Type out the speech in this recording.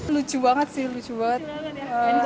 lucu banget sih lucu banget